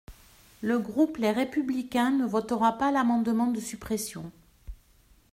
Le groupe Les Républicains ne votera pas l’amendement de suppression.